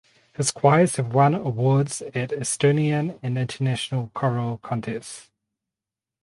His choirs have won awards at Estonian and international choral contests.